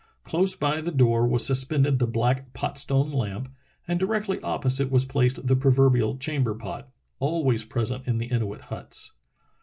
Close by the door was suspended the black pot stone lamp, and directly op posite was placed the proverbial chamber pot — always present in the Inuit huts.